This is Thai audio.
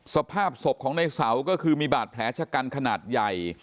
สภาพศพของในเสาก็คือมีบาดแผลชะกันขนาดใหญ่